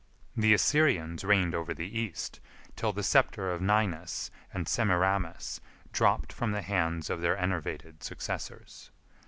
The Assyrians reigned over the East, 1 till the sceptre of Ninus and Semiramis dropped from the hands of their enervated successors.